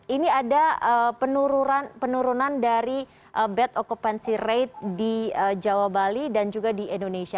ini ada penurunan dari bed occupancy rate di jawa bali dan juga di indonesia